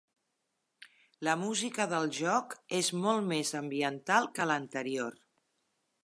La música del joc és molt més ambiental que l'anterior.